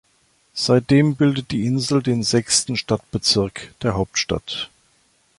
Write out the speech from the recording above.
Seitdem bildet die Insel den sechsten Stadtbezirk der Hauptstadt.